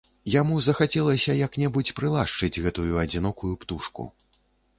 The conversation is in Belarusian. Яму захацелася як-небудзь прылашчыць гэтую адзінокую птушку.